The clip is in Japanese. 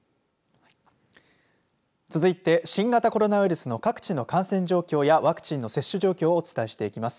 続いて新型コロナウイルスの各地の感染状況やワクチンの接種状況をお伝えしていきます。